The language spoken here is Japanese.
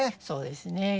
そうですね。